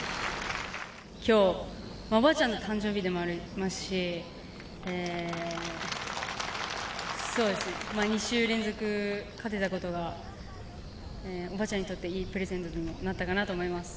きょう、おばあちゃんの誕生日でもありますし、そうですね、２週連続勝てたことは、おばあちゃんにとって、いいプレゼントにもなったかなと思います。